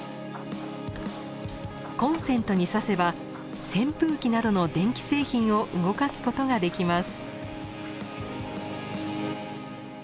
コンセントにさせば扇風機などの電気製品を動かすことができます。